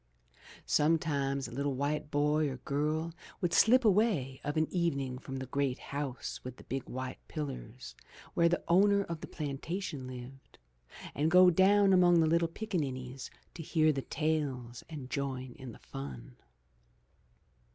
Some times a little white boy or girl would slip away of an evening from the great house with the big white pillars where the owner of the plantation lived, and go down among the little pickanin nies to hear the tales and join in the fun.